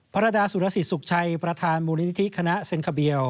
ภรรดาศุลศิรสุขชัยประทานมหลังวิทือขนาศ์เซนกาเบียล